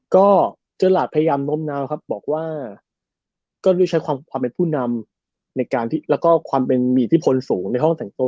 ก็เจอร์หลาดพยายามม้มเนาท์ว่าก็ใช้ความเป็นผู้นำกับความในมีที่โฟนสูงในห้องสังโต